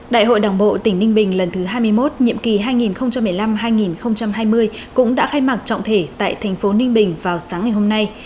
đại hội đảng bộ tỉnh ninh bình lần thứ hai mươi một nhiệm kỳ hai nghìn một mươi năm hai nghìn hai mươi cũng đã khai mạc trọng thể tại thành phố ninh bình vào sáng ngày hôm nay